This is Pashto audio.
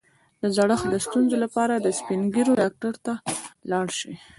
د زړښت د ستونزو لپاره د سپین ږیرو ډاکټر ته لاړ شئ